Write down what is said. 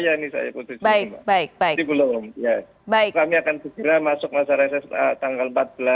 kami akan segera masuk masa rese tanggal empat belas